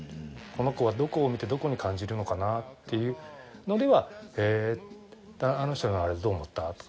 この子はどこを見てどこに感じるのかなっていうのではへえあの人のあれどう思った？